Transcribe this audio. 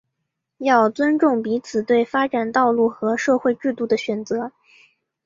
要尊重彼此对发展道路和社会制度的选择